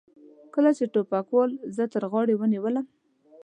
کله چې ټوپکوال زه تر غاړې ونیولم.